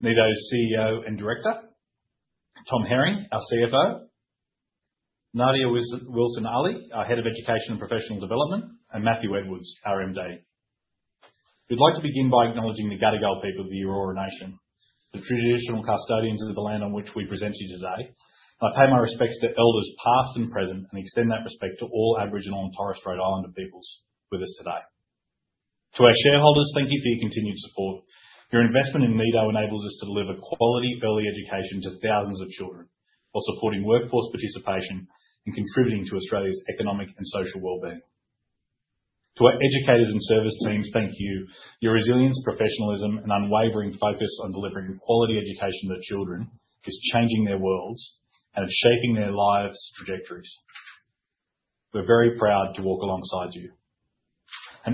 Nido's CEO and Director, Tom Herring, our CFO, Nadia Wilson-Ali, our Head of Education and Professional Development, and Mathew Edwards, our MD. We'd like to begin by acknowledging the Gadigal people of the Eora Nation, the traditional custodians of the land on which we present to you today. I pay my respects to elders, past and present, and extend that respect to all Aboriginal and Torres Strait Islander peoples with us today. To our shareholders, thank you for your continued support. Your investment in Nido enables us to deliver quality early education to thousands of children while supporting workforce participation and contributing to Australia's economic and social well-being. To our educators and service teams, thank you. Your resilience, professionalism, and unwavering focus on delivering quality education to children is changing their worlds and shaping their lives' trajectories. We're very proud to walk alongside you.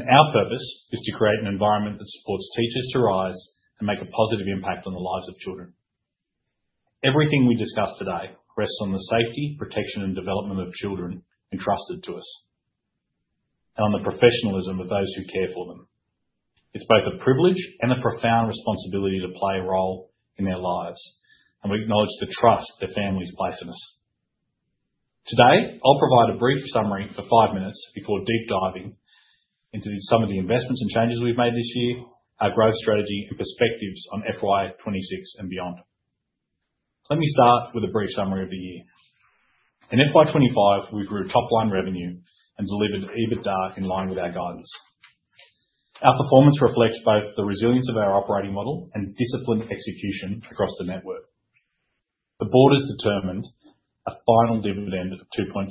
Our purpose is to create an environment that supports teachers to rise and make a positive impact on the lives of children. Everything we discuss today rests on the safety, protection, and development of children entrusted to us and on the professionalism of those who care for them. It's both a privilege and a profound responsibility to play a role in their lives, and we acknowledge the trust that families place in us. Today, I'll provide a brief summary for five minutes before deep-diving into some of the investments and changes we've made this year, our growth strategy, and perspectives on FY 2026 and beyond. Let me start with a brief summary of the year. In FY 2025, we grew top-line revenue and delivered EBITDA in line with our guidance. Our performance reflects both the resilience of our operating model and disciplined execution across the network. The board has determined a final dividend of 0.022,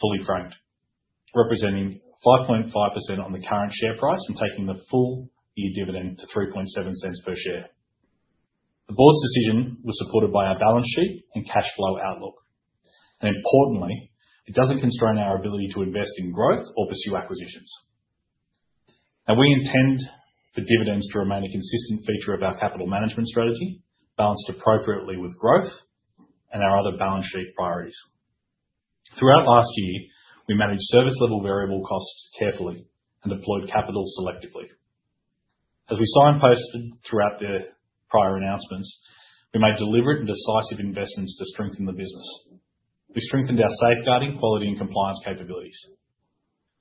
fully franked, representing 5.5% on the current share price and taking the full-year dividend to 0.037 per share. The board's decision was supported by our balance sheet and cash flow outlook. Importantly, it doesn't constrain our ability to invest in growth or pursue acquisitions. We intend for dividends to remain a consistent feature of our capital management strategy, balanced appropriately with growth and our other balance sheet priorities. Throughout last year, we managed service level variable costs carefully and deployed capital selectively. As we signposted throughout the prior announcements, we made deliberate and decisive investments to strengthen the business. We strengthened our safeguarding, quality, and compliance capabilities.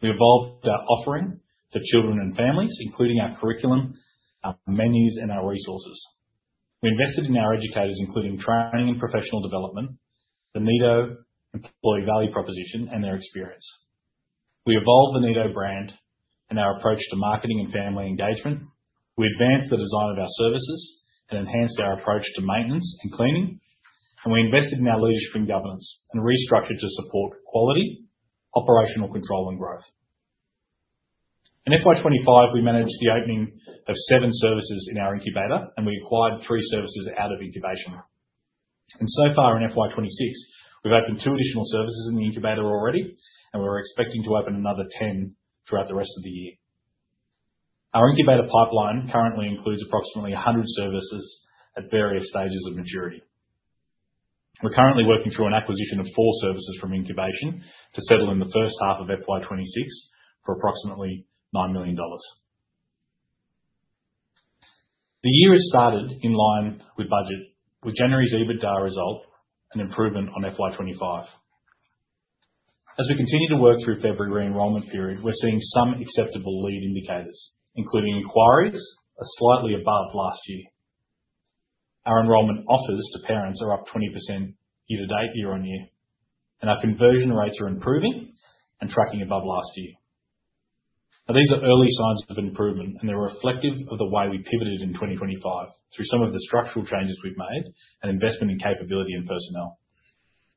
We evolved our offering to children and families, including our curriculum, our menus, and our resources. We invested in our educators, including training and professional development, the Nido employee value proposition, and their experience. We evolved the Nido brand and our approach to marketing and family engagement. We advanced the design of our services and enhanced our approach to maintenance and cleaning. We invested in our leadership and governance and restructured to support quality, operational control, and growth. In FY 2025, we managed the opening of seven services in our incubator. We acquired three services out of incubation. So far in FY 2026, we've opened two additional services in the incubator already. We're expecting to open another 10 throughout the rest of the year. Our incubator pipeline currently includes approximately 100 services at various stages of maturity. We're currently working through an acquisition of four services from incubation to settle in the first half of FY 2026 for approximately AUD 9 million. The year has started in line with budget, with January's EBITDA result an improvement on FY 2025. As we continue to work through February enrollment period, we're seeing some acceptable lead indicators, including inquiries are slightly above last year. Our enrollment offers to parents are up 20% year-to-date, year-on-year, and our conversion rates are improving and tracking above last year. Now these are early signs of improvement, and they're reflective of the way we pivoted in 2025 through some of the structural changes we've made and investment in capability and personnel.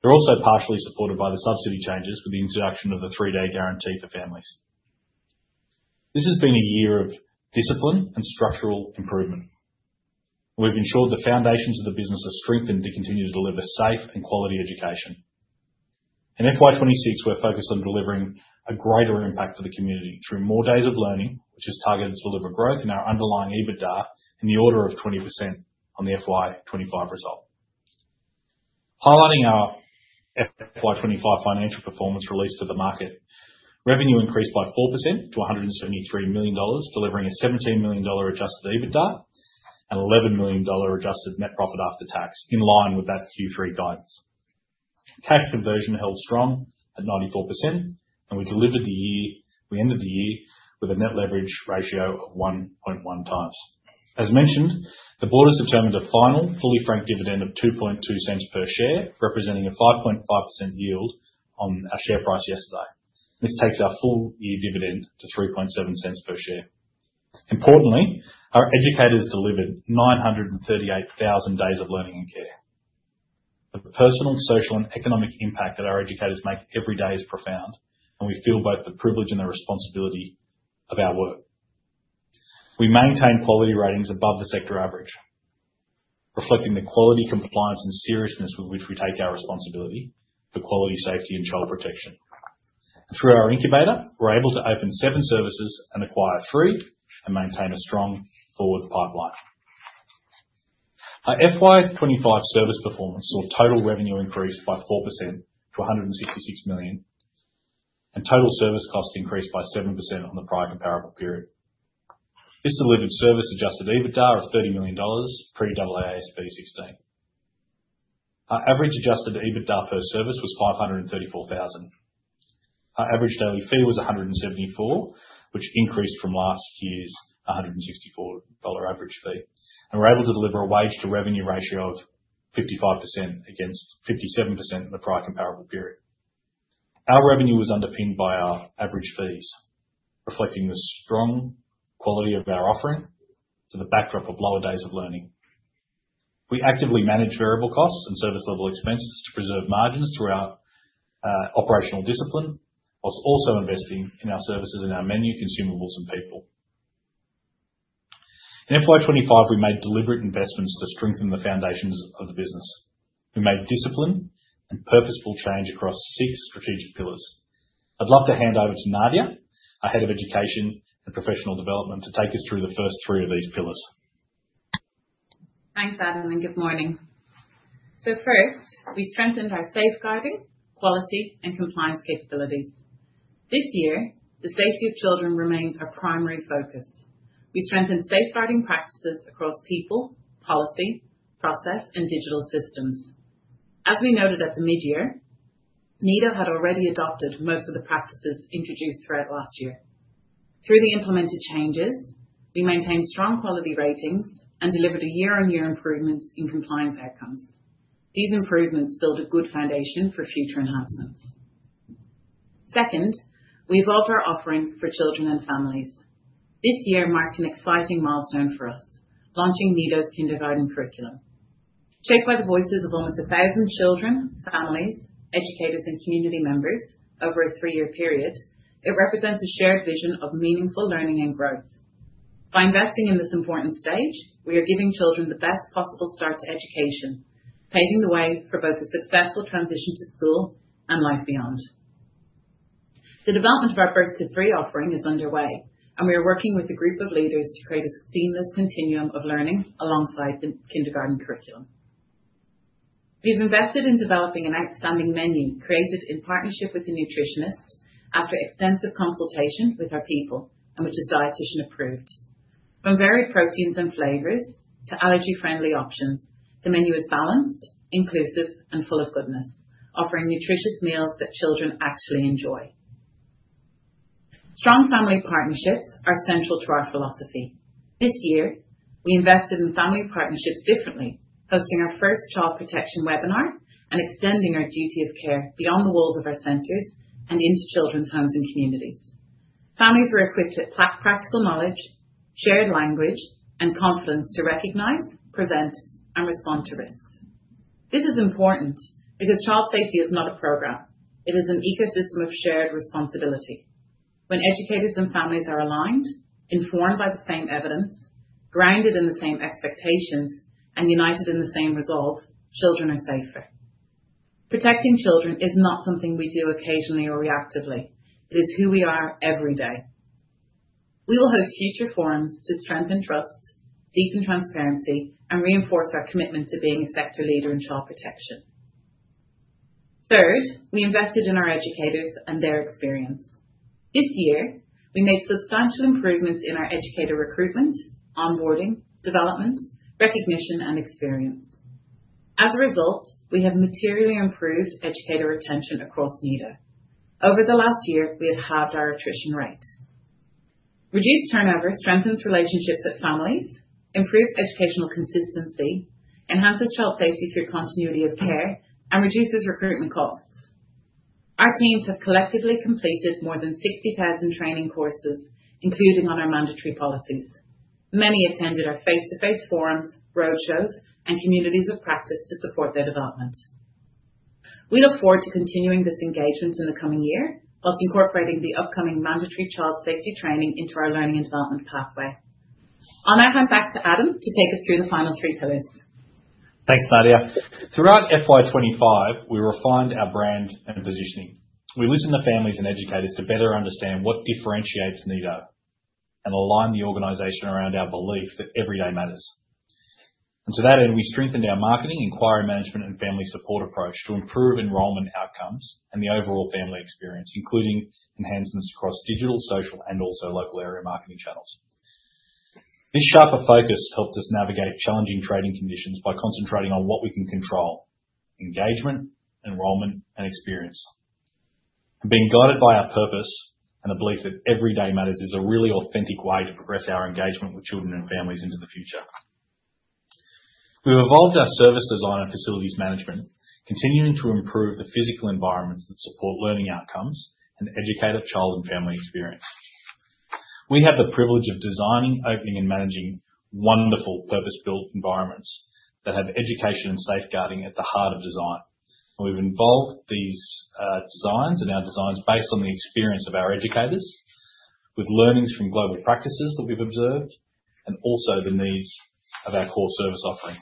They're also partially supported by the subsidy changes with the introduction of the three-day guarantee for families. This has been a year of discipline and structural improvement. We've ensured the foundations of the business are strengthened to continue to deliver safe and quality education. In FY 2026, we're focused on delivering a greater impact to the community through more days of learning, which is targeted to deliver growth in our underlying EBITDA in the order of 20% on the FY 2025 result. Highlighting our FY 2025 financial performance release to the market, revenue increased by 4% to 173 million dollars, delivering an 17 million dollar adjusted EBITDA and 11 million dollar adjusted net profit after tax, in line with that Q3 guidance. Cash conversion held strong at 94%, we ended the year with a net leverage ratio of 1.1x. As mentioned, the board has determined a final fully franked dividend of 0.022 per share, representing a 5.5% yield on our share price yesterday. This takes our full-year dividend to 0.037 per share. Importantly, our educators delivered 938,000 days of learning and care. The personal, social, and economic impact that our educators make every day is profound, and we feel both the privilege and the responsibility of our work. We maintain quality ratings above the sector average, reflecting the quality, compliance, and seriousness with which we take our responsibility for quality, safety, and child protection. Through our incubator, we're able to open seven services and acquire three and maintain a strong forward pipeline. Our FY 2025 service performance saw total revenue increase by 4% to 166 million. Total service costs increased by 7% on the prior comparable period. This delivered service adjusted EBITDA of 30 million dollars pre-AASB16. Our average adjusted EBITDA per service was 534,000. Our average daily fee was 174, which increased from last year's 164 dollar average fee. We're able to deliver a wage to revenue ratio of 55% against 57% in the prior comparable period. Our revenue was underpinned by our average fees, reflecting the strong quality of our offering to the backdrop of lower days of learning. We actively manage variable costs and service level expenses to preserve margins through our operational discipline, whilst also investing in our services and our menu, consumables, and people. In FY 2025, we made deliberate investments to strengthen the foundations of the business. We made discipline and purposeful change across six strategic pillars. I'd love to hand over to Nadia, our Head of Education and Professional Development, to take us through the first three of these pillars. Thanks, Adam. Good morning. First, we strengthened our safeguarding, quality, and compliance capabilities. This year, the safety of children remains our primary focus. We strengthened safeguarding practices across people, policy, process, and digital systems. As we noted at the mid-year, Nido had already adopted most of the practices introduced throughout last year. Through the implemented changes, we maintained strong quality ratings and delivered a year-on-year improvement in compliance outcomes. These improvements build a good foundation for future enhancements. Second, we evolved our offering for children and families. This year marked an exciting milestone for us, launching Nido's Kindergarten Curriculum. Shaped by the voices of almost 1,000 children, families, educators, and community members over a 3-year period, it represents a shared vision of meaningful learning and growth. By investing in this important stage, we are giving children the best possible start to education, paving the way for both a successful transition to school and life beyond. The development of our birth to three offering is underway, and we are working with a group of leaders to create a seamless continuum of learning alongside the kindergarten curriculum. We've invested in developing an outstanding menu created in partnership with the nutritionist after extensive consultation with our people, and which is dietician-approved. From varied proteins and flavors to allergy-friendly options, the menu is balanced, inclusive, and full of goodness, offering nutritious meals that children actually enjoy. Strong family partnerships are central to our philosophy. This year, we invested in family partnerships differently, hosting our first child protection webinar and extending our duty of care beyond the walls of our centers and into children's homes and communities. Families were equipped with practical knowledge, shared language, and confidence to recognize, prevent, and respond to risks. This is important because child safety is not a program. It is an ecosystem of shared responsibility. When educators and families are aligned, informed by the same evidence, grounded in the same expectations, and united in the same resolve, children are safer. Protecting children is not something we do occasionally or reactively. It is who we are every day. We will host future forums to strengthen trust, deepen transparency, and reinforce our commitment to being a sector leader in child protection. Third, we invested in our educators and their experience. This year, we made substantial improvements in our educator recruitment, onboarding, development, recognition, and experience. As a result, we have materially improved educator retention across Nido. Over the last year, we have halved our attrition rate. Reduced turnover strengthens relationships with families, improves educational consistency, enhances child safety through continuity of care, and reduces recruitment costs. Our teams have collectively completed more than 60,000 training courses, including on our mandatory policies. Many attended our face-to-face forums, roadshows, and communities of practice to support their development. We look forward to continuing this engagement in the coming year while incorporating the upcoming mandatory child safety training into our learning and development pathway. I'll now hand back to Adam to take us through the final three pillars. Thanks, Nadia. Throughout FY 2025, we refined our brand and positioning. We listened to families and educators to better understand what differentiates Nido and align the organization around our belief that every day matters. To that end, we strengthened our marketing, inquiry management, and family support approach to improve enrollment outcomes and the overall family experience, including enhancements across digital, social, and also local area marketing channels. This sharper focus helped us navigate challenging trading conditions by concentrating on what we can control: engagement, enrollment, and experience. Being guided by our purpose and the belief that every day matters is a really authentic way to progress our engagement with children and families into the future. We've evolved our service design and facilities management, continuing to improve the physical environments that support learning outcomes and educate child and family experience. We have the privilege of designing, opening, and managing wonderful purpose-built environments that have education and safeguarding at the heart of design. We've involved these designs and our designs based on the experience of our educators with learnings from global practices that we've observed and also the needs of our core service offering.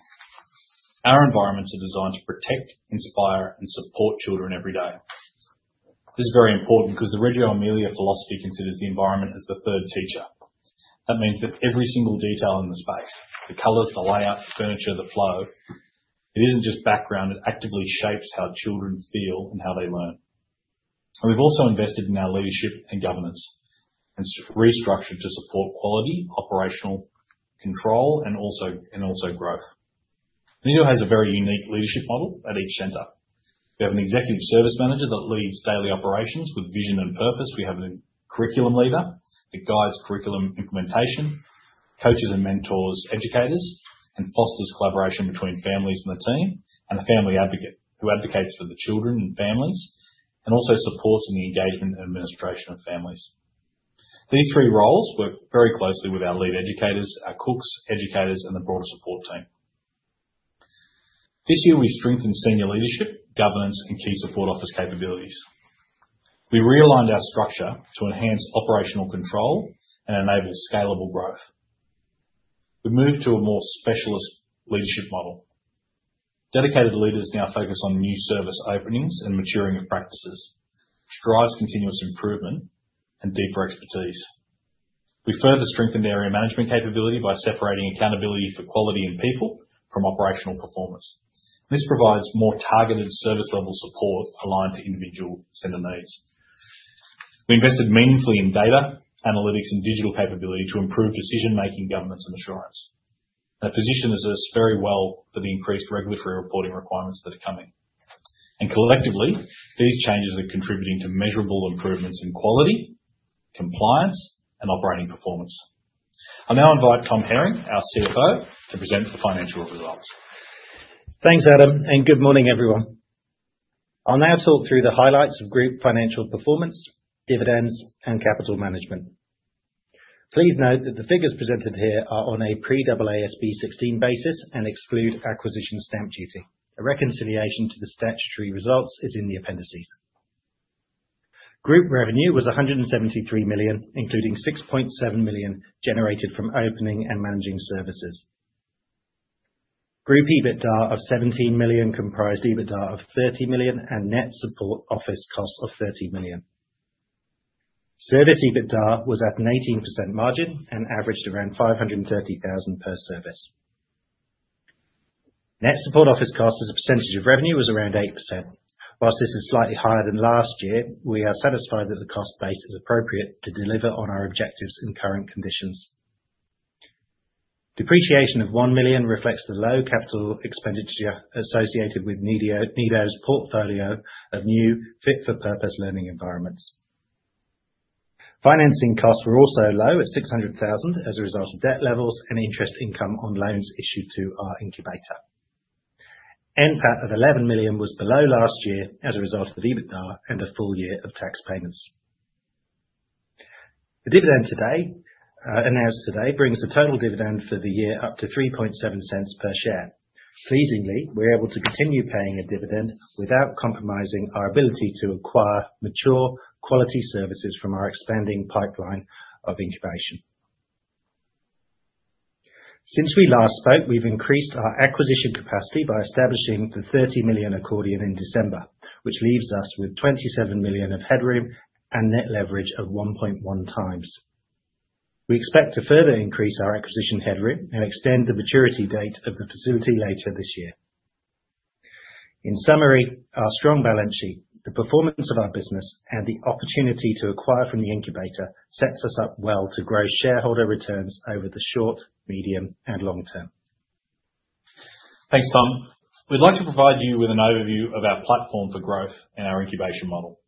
Our environments are designed to protect, inspire, and support children every day. This is very important because the Reggio Emilia Philosophy considers the environment as the third teacher. Every single detail in the space, the colors, the layout, the furniture, the flow, it isn't just background. It actively shapes how children feel and how they learn. We've also invested in our leadership and governance and restructured to support quality, operational control, and also growth. Nido has a very unique leadership model at each center. We have an Executive Service Manager that leads daily operations with vision and purpose. We have a Curriculum Leader that guides curriculum implementation, coaches and mentors educators, and fosters collaboration between families and the team, and a Family Advocate who advocates for the children and families, and also supporting the engagement and administration of families. These three roles work very closely with our lead educators, our cooks, educators, and the broader support team. This year, we strengthened senior leadership, governance, and key support office capabilities. We realigned our structure to enhance operational control and enable scalable growth. We moved to a more specialist leadership model. Dedicated leaders now focus on new service openings and maturing of practices, which drives continuous improvement and deeper expertise. We further strengthened area management capability by separating accountability for quality and people from operational performance. This provides more targeted service-level support aligned to individual center needs. We invested meaningfully in data, analytics, and digital capability to improve decision-making, governance, and assurance. That positions us very well for the increased regulatory reporting requirements that are coming. Collectively, these changes are contributing to measurable improvements in quality, compliance, and operating performance. I now invite Tom Herring, our CFO, to present the financial results. Thanks, Adam, good morning, everyone. I'll now talk through the highlights of group financial performance, dividends, and capital management. Please note that the figures presented here are on a pre-AASB16 basis and exclude acquisition stamp duty. A reconciliation to the statutory results is in the appendices. Group revenue was 173 million, including 6.7 million generated from opening and managing services. Group EBITDA of 17 million comprised EBITDA of 30 million and net support office costs of 30 million. Service EBITDA was at an 18% margin and averaged around 530,000 per service. Net support office costs as a percentage of revenue was around 8%. This is slightly higher than last year, we are satisfied that the cost base is appropriate to deliver on our objectives in current conditions. Depreciation of 1 million reflects the low capital expenditure associated with Nido's portfolio of new fit for purpose learning environments. Financing costs were also low at 600,000 as a result of debt levels and interest income on loans issued to our incubator. NPAT of 11 million was below last year as a result of EBITDA and a full year of tax payments. The dividend announced today brings the total dividend for the year up to 0.037 per share. Pleasingly, we're able to continue paying a dividend without compromising our ability to acquire mature quality services from our expanding pipeline of incubation. Since we last spoke, we've increased our acquisition capacity by establishing the 30 million accordion in December, which leaves us with 27 million of headroom and net leverage of 1.1x. We expect to further increase our acquisition headroom and extend the maturity date of the facility later this year. In summary, our strong balance sheet, the performance of our business, and the opportunity to acquire from the incubator sets us up well to grow shareholder returns over the short, medium, and long term. Thanks, Tom. We'd like to provide you with an overview of our platform for growth and our incubation model.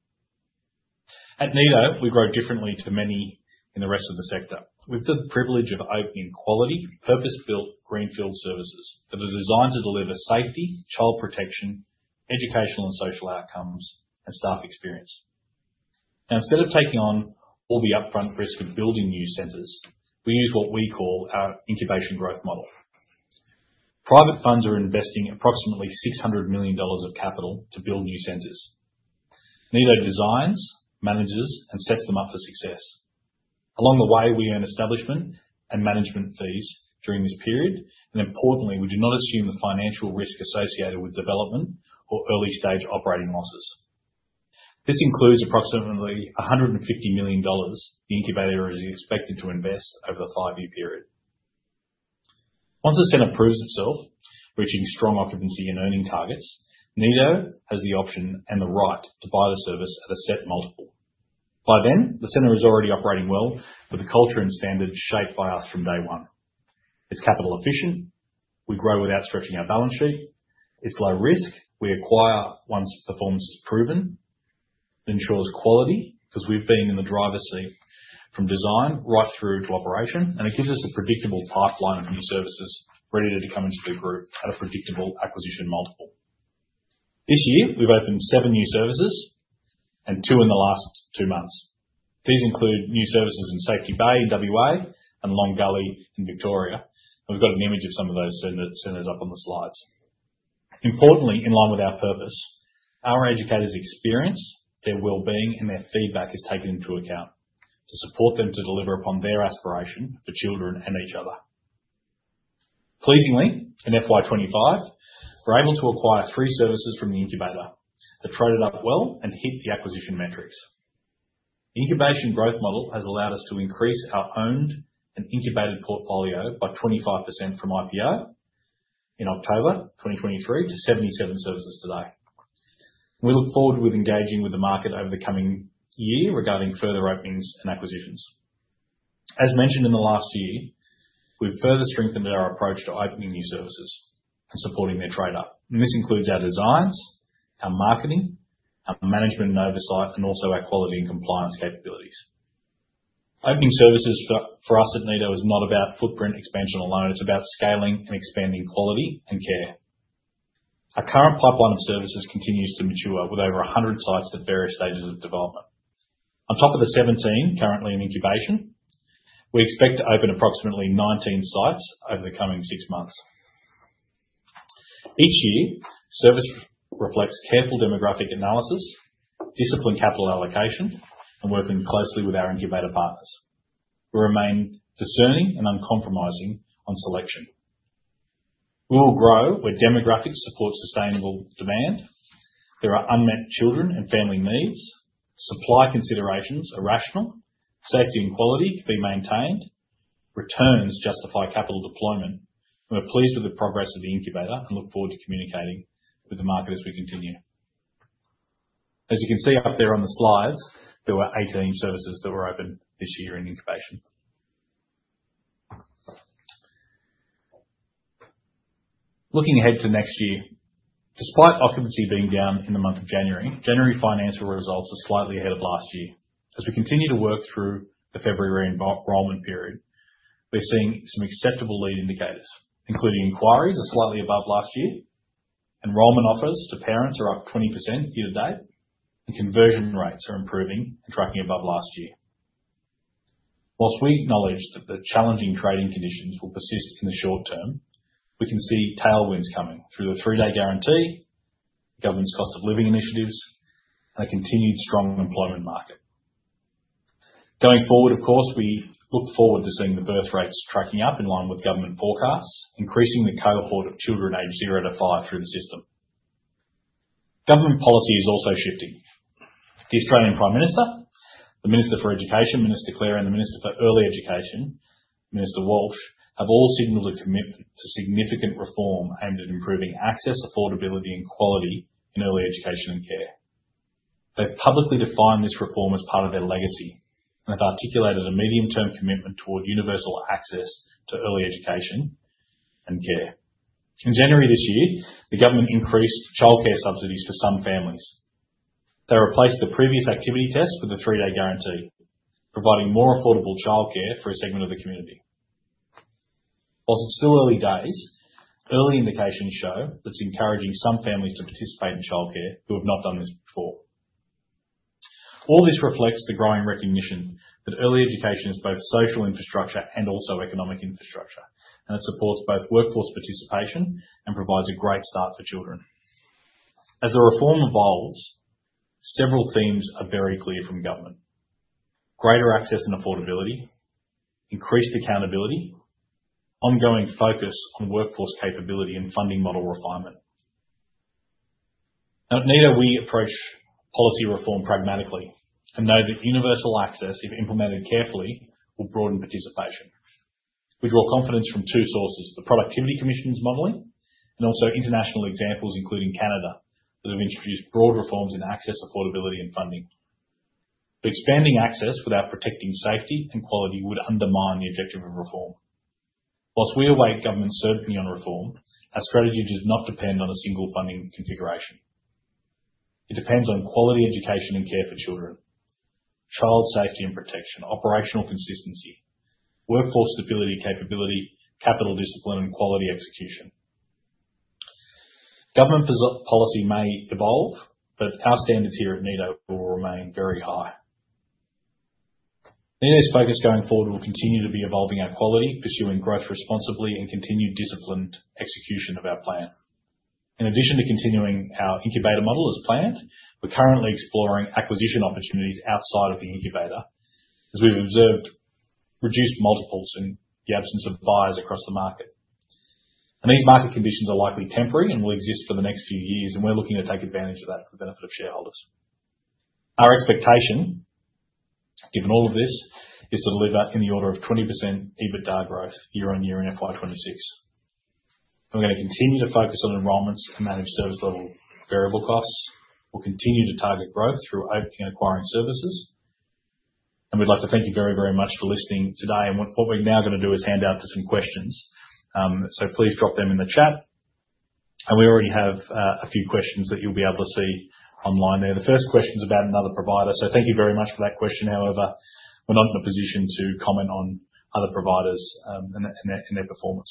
At Nido, we grow differently to many in the rest of the sector. We've got the privilege of opening quality, purpose-built greenfield services that are designed to deliver safety, child protection, educational and social outcomes, and staff experience. Instead of taking on all the upfront risk of building new centers, we use what we call our incubation growth model. Private funds are investing approximately 600 million dollars of capital to build new centers. Nido designs, manages, and sets them up for success. Along the way, we earn establishment and management fees during this period, and importantly, we do not assume the financial risk associated with development or early-stage operating losses. This includes approximately 150 million dollars the incubator is expected to invest over the five-year period. Once the center proves itself, reaching strong occupancy and earning targets, Nido has the option and the right to buy the service at a set multiple. By then, the center is already operating well with a culture and standards shaped by us from day one. It's capital efficient. We grow without stretching our balance sheet. It's low risk. We acquire once performance is proven. Ensures quality 'cause we've been in the driver's seat from design right through to operation. It gives us a predictable pipeline of new services ready to come into the group at a predictable acquisition multiple. This year, we've opened seven new services and two in the last two months. These include new services in Safety Bay in WA and Long Gully in Victoria. We've got an image of some of those centers up on the slides. Importantly, in line with our purpose, our educators' experience, their wellbeing, and their feedback is taken into account to support them to deliver upon their aspiration for children and each other. Pleasingly, in FY 2025, we're able to acquire three services from the incubator that traded up well and hit the acquisition metrics. Incubation growth model has allowed us to increase our owned and incubated portfolio by 25% from IPO in October 2023 to 77 services today. We look forward with engaging with the market over the coming year regarding further openings and acquisitions. As mentioned in the last year, we've further strengthened our approach to opening new services and supporting their trade up, and this includes our designs, our marketing, our management and oversight, and also our quality and compliance capabilities. Opening services for us at Nido is not about footprint expansion alone, it's about scaling and expanding quality and care. Our current pipeline of services continues to mature with over 100 sites at various stages of development. On top of the 17 currently in incubation, we expect to open approximately 19 sites over the coming six months. Each year, service reflects careful demographic analysis, disciplined capital allocation, and working closely with our incubator partners. We remain discerning and uncompromising on selection. We will grow where demographics support sustainable demand, there are unmet children and family needs, supply considerations are rational, safety and quality can be maintained, returns justify capital deployment. We are pleased with the progress of the incubator and look forward to communicating with the market as we continue. As you can see up there on the slides, there were 18 services that were opened this year in incubation. Looking ahead to next year, despite occupancy being down in the month of January financial results are slightly ahead of last year. As we continue to work through the February enrollment period, we're seeing some acceptable lead indicators, including inquiries are slightly above last year, enrollment offers to parents are up 20% year to date, and conversion rates are improving and tracking above last year. Whilst we acknowledge that the challenging trading conditions will persist in the short term, we can see tailwinds coming through the three-day guarantee, the government's cost of living initiatives, and a continued strong employment market. Going forward, of course, we look forward to seeing the birth rates tracking up in line with government forecasts, increasing the cohort of children aged zero to five through the system. Government policy is also shifting. The Australian Prime Minister, the Minister for Education, Minister Clare, and the Minister for Early Education, Minister Walsh, have all signaled a commitment to significant reform aimed at improving access, affordability, and quality in early education and care. They've publicly defined this reform as part of their legacy and have articulated a medium-term commitment toward universal access to early education and care. In January this year, the government increased childcare subsidies for some families. They replaced the previous activity test with a three-day guarantee, providing more affordable childcare for a segment of the community. Whilst it's still early days, early indications show that it's encouraging some families to participate in childcare who have not done this before. All this reflects the growing recognition that early education is both social infrastructure and also economic infrastructure. It supports both workforce participation and provides a great start for children. As the reform evolves, several themes are very clear from government. Greater access and affordability, increased accountability, ongoing focus on workforce capability and funding model refinement. At Nido, we approach policy reform pragmatically and know that universal access, if implemented carefully, will broaden participation. We draw confidence from two sources, the Productivity Commission's modeling and also international examples, including Canada, that have introduced broad reforms in access, affordability, and funding. Expanding access without protecting safety and quality would undermine the objective of reform. Whilst we await government certainty on reform, our strategy does not depend on a single funding configuration. It depends on quality education and care for children, child safety and protection, operational consistency, workforce stability and capability, capital discipline, and quality execution. Government policy may evolve, but our standards here at Nido will remain very high. Nido's focus going forward will continue to be evolving our quality, pursuing growth responsibly, and continued disciplined execution of our plan. In addition to continuing our incubator model as planned, we're currently exploring acquisition opportunities outside of the incubator as we've observed reduced multiples in the absence of buyers across the market. These market conditions are likely temporary and will exist for the next few years, and we're looking to take advantage of that for the benefit of shareholders. Our expectation, given all of this, is to deliver in the order of 20% EBITDA growth year-on-year in FY 2026. We're gonna continue to focus on enrollments and manage service level variable costs. We'll continue to target growth through opening and acquiring services. We'd like to thank you very, very much for listening today. What we're now gonna do is hand out to some questions. Please drop them in the chat. We already have a few questions that you'll be able to see online there. The first question's about another provider. Thank you very much for that question. However, we're not in a position to comment on other providers and their performance.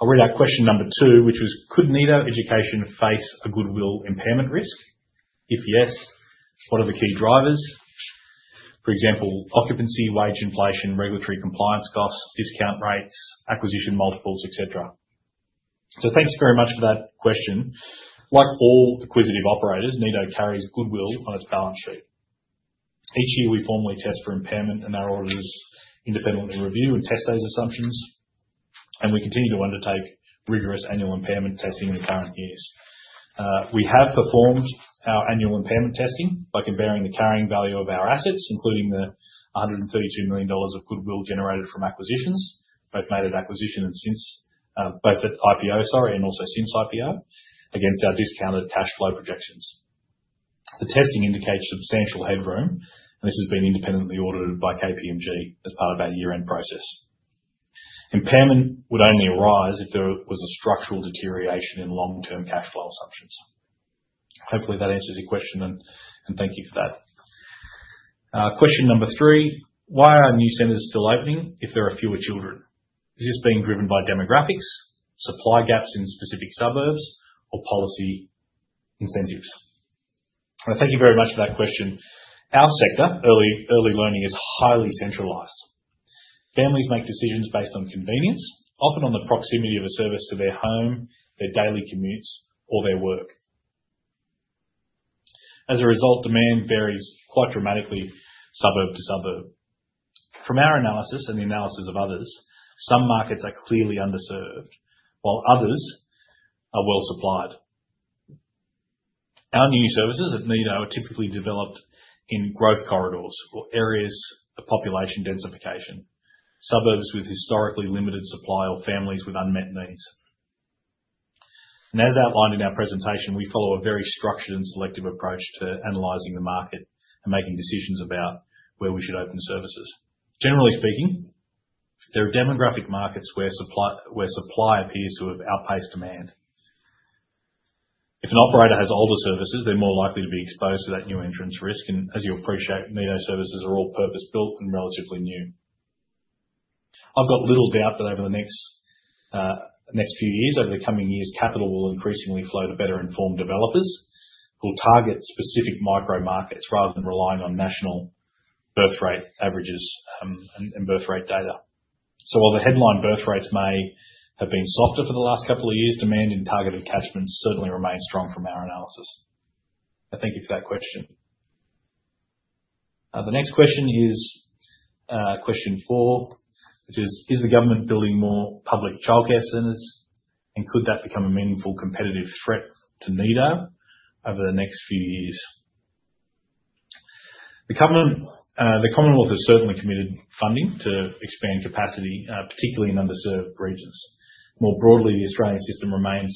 I'll read out question number 2, which was, "Could Nido Education face a goodwill impairment risk? If yes, what are the key drivers? For example, occupancy, wage inflation, regulatory compliance costs, discount rates, acquisition multiples, et cetera. Thanks very much for that question. Like all acquisitive operators, Nido carries goodwill on its balance sheet. Each year we formally test for impairment and our auditors independently review and test those assumptions, and we continue to undertake rigorous annual impairment testing in current years. We have performed our annual impairment testing by comparing the carrying value of our assets, including the 132 million dollars of goodwill generated from acquisitions, both made at acquisition and since, both at IPO, sorry, and also since IPO, against our discounted cash flow projections. The testing indicates substantial headroom, and this has been independently audited by KPMG as part of our year-end process. Impairment would only arise if there was a structural deterioration in long-term cash flow assumptions. Hopefully that answers your question, and thank you for that. Question 3: Why are new centers still opening if there are fewer children? Is this being driven by demographics, supply gaps in specific suburbs or policy incentives? Thank you very much for that question. Our sector, early learning, is highly centralized. Families make decisions based on convenience, often on the proximity of a service to their home, their daily commutes or their work. As a result, demand varies quite dramatically suburb to suburb. From our analysis and the analysis of others, some markets are clearly underserved while others are well-supplied. Our new services at Nido are typically developed in growth corridors or areas of population densification, suburbs with historically limited supply or families with unmet needs. As outlined in our presentation, we follow a very structured and selective approach to analyzing the market and making decisions about where we should open services. Generally speaking, there are demographic markets where supply appears to have outpaced demand. If an operator has older services, they're more likely to be exposed to that new entrance risk, and as you appreciate, Nido services are all purpose-built and relatively new. I've got little doubt that over the next few years, over the coming years, capital will increasingly flow to better informed developers who will target specific micro markets rather than relying on national birth rate averages and birth rate data. While the headline birth rates may have been softer for the last couple of years, demand in targeted catchments certainly remains strong from our analysis. I thank you for that question. The next question is, question four, which is: Is the government building more public childcare centers, and could that become a meaningful competitive threat to Nido over the next few years? The Commonwealth has certainly committed funding to expand capacity, particularly in underserved regions. More broadly, the Australian system remains,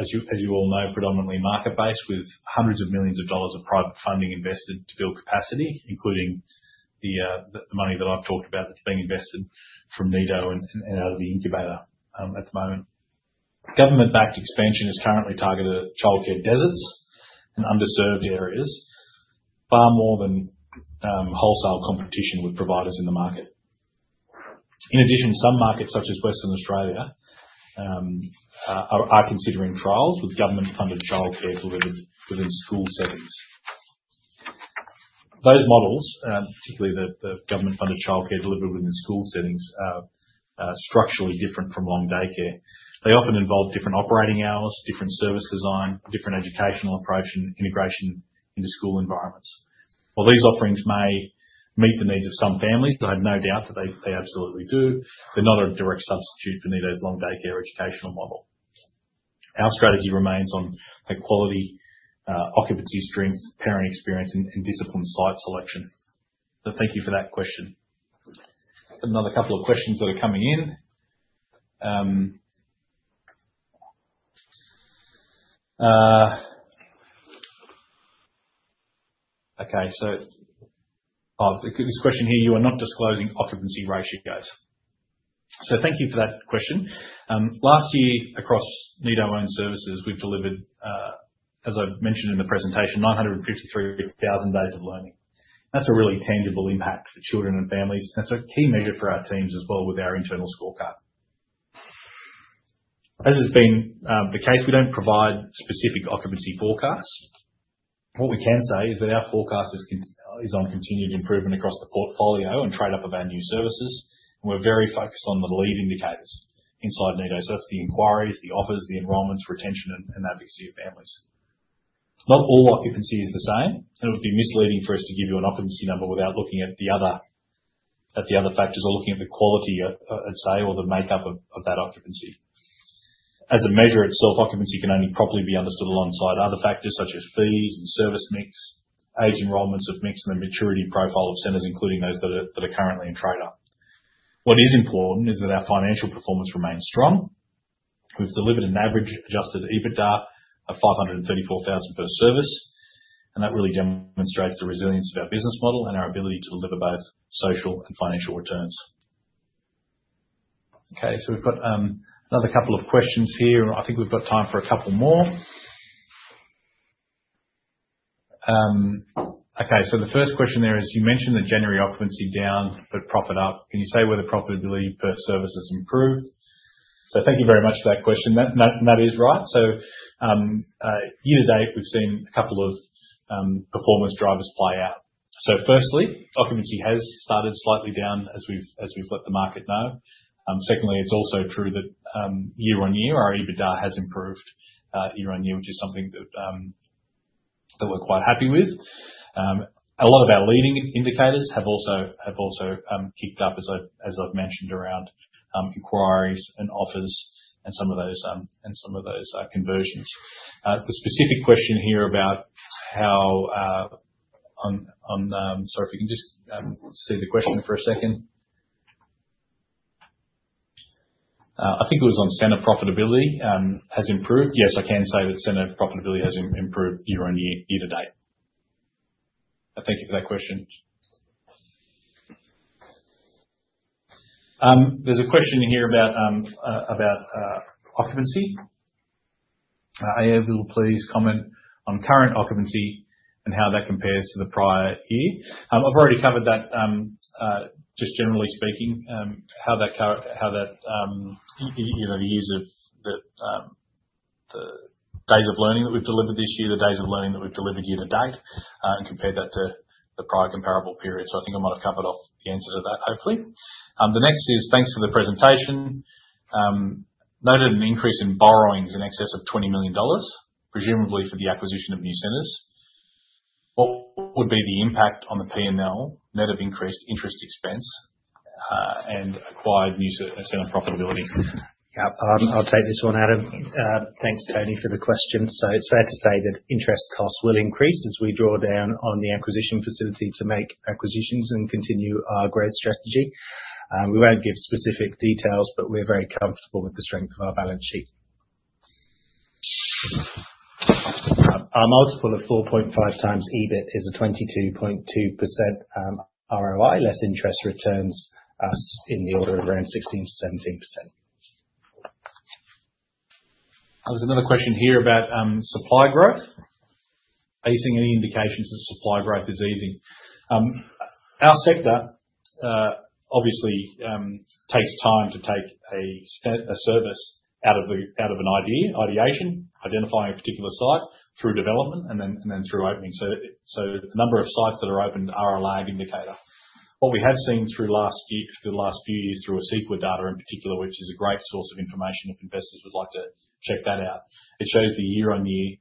as you all know, predominantly market-based, with hundreds of millions of dollars of private funding invested to build capacity, including the money that I've talked about that's being invested from Nido and out of the incubator at the moment. Government-backed expansion is currently targeted at childcare deserts and underserved areas far more than wholesale competition with providers in the market. In addition, some markets, such as Western Australia, are considering trials with government-funded childcare delivered within school settings. Those models, particularly the government-funded childcare delivered within school settings are structurally different from long daycare. They often involve different operating hours, different service design, different educational approach, and integration into school environments. While these offerings may meet the needs of some families, and I have no doubt that they absolutely do, they're not a direct substitute for Nido's long daycare educational model. Our strategy remains on high quality, occupancy strengths, parent experience and discipline site selection. Thank you for that question. Another couple of questions that are coming in. Okay. Oh, this question here: You are not disclosing occupancy ratios. Thank you for that question. Last year, across Nido-owned services, we've delivered, as I've mentioned in the presentation, 953,000 days of learning. That's a really tangible impact for children and families. That's a key measure for our teams as well with our internal scorecard. As has been the case, we don't provide specific occupancy forecasts. What we can say is that our forecast is on continued improvement across the portfolio and trade up of our new services, and we're very focused on the lead indicators inside Nido. That's the inquiries, the offers, the enrollments, retention and advocacy of families. Not all occupancy is the same, and it would be misleading for us to give you an occupancy number without looking at the other factors or looking at the quality of, say, or the makeup of that occupancy. As a measure itself, occupancy can only properly be understood alongside other factors such as fees and service mix, age enrollments of mix and the maturity profile of centers, including those that are currently in trade up. What is important is that our financial performance remains strong. We've delivered an average adjusted EBITDA of 534,000 per service. That really demonstrates the resilience of our business model and our ability to deliver both social and financial returns. We've got another couple of questions here. I think we've got time for a couple more. The first question there is: You mentioned the January occupancy down but profit up. Can you say whether profitability per service has improved? Thank you very much for that question. That is right. Year to date, we've seen a couple of performance drivers play out. Firstly, occupancy has started slightly down as we've let the market know. Secondly, it's also true that, year on year, our EBITDA has improved, year on year, which is something that we're quite happy with. A lot of our leading indicators have also kicked up as I've mentioned, around inquiries and offers and some of those, and some of those conversions. The specific question here about how, on, sorry, if you can just see the question for a second. I think it was on center profitability has improved. Yes, I can say that center profitability has improved year on year to date. Thank you for that question. There's a question in here about occupancy. "Are you able to please comment on current occupancy and how that compares to the prior year?" I've already covered that, just generally speaking, how that, you know, years of the days of learning that we've delivered this year, the days of learning that we've delivered year to date, and compared that to the prior comparable period. I think I might have covered off the answer to that, hopefully. The next is, "Thanks for the presentation. Noted an increase in borrowings in excess of 20 million dollars, presumably for the acquisition of new centers. What would be the impact on the P&L net of increased interest expense, and acquired new center profitability? Yeah. I'll take this one, Adam. Thanks, Tony, for the question. It's fair to say that interest costs will increase as we draw down on the acquisition facility to make acquisitions and continue our growth strategy. We won't give specific details, but we're very comfortable with the strength of our balance sheet. Our multiple of 4.5x EBIT is a 22.2% ROI. Less interest returns us in the order of around 16%-17%. There's another question here about supply growth. "Are you seeing any indications that supply growth is easing?" Our sector obviously takes time to take a service out of an idea, ideation, identifying a particular site through development and then through opening. The number of sites that are opened are a lag indicator. What we have seen through the last few years through our sector data in particular, which is a great source of information if investors would like to check that out. It shows the year on year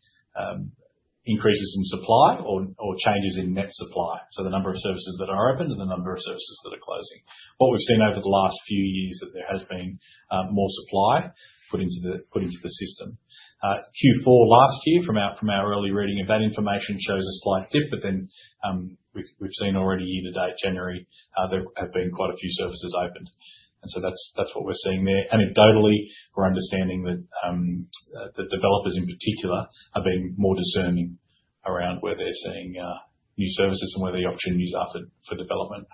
increases in supply or changes in net supply, so the number of services that are open and the number of services that are closing. What we've seen over the last few years that there has been more supply put into the system. Q4 last year from our early reading of that information shows a slight dip, we've seen already year to date, January, there have been quite a few services opened. That's what we're seeing there. Anecdotally, we're understanding that the developers in particular are being more discerning around where they're seeing new services and where the opportunities are for development.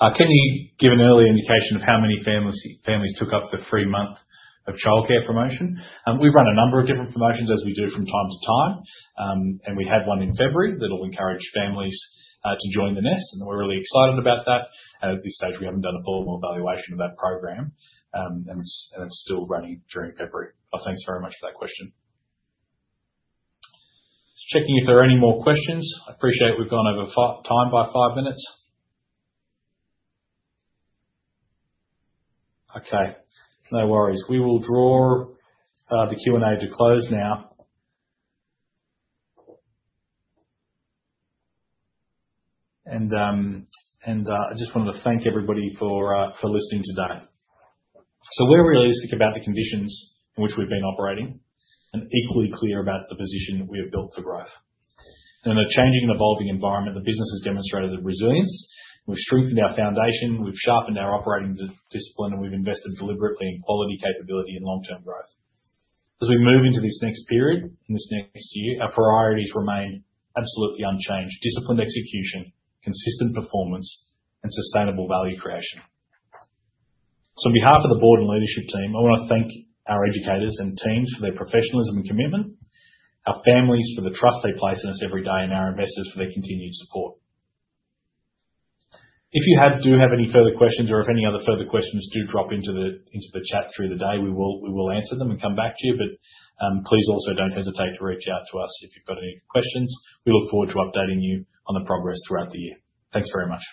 "Can you give an early indication of how many families took up the free month of childcare promotion?" We've run a number of different promotions as we do from time to time. We had one in February that'll encourage families to join the Nest, and we're really excited about that. At this stage, we haven't done a formal evaluation of that program, and it's still running during February. Thanks very much for that question. Just checking if there are any more questions. I appreciate we've gone over time by 5 minutes. Okay, no worries. We will draw the Q&A to close now. I just wanted to thank everybody for listening today. We're realistic about the conditions in which we've been operating and equally clear about the position that we have built for growth. In a changing and evolving environment, the business has demonstrated a resilience. We've strengthened our foundation, we've sharpened our operating discipline, and we've invested deliberately in quality, capability and long-term growth. We move into this next period and this next year, our priorities remain absolutely unchanged: disciplined execution, consistent performance, and sustainable value creation. On behalf of the board and leadership team, I wanna thank our educators and teams for their professionalism and commitment, our families for the trust they place in us every day, and our investors for their continued support. If you do have any further questions or if any other further questions do drop into the chat through the day, we will answer them and come back to you. Please also don't hesitate to reach out to us if you've got any questions. We look forward to updating you on the progress throughout the year. Thanks very much.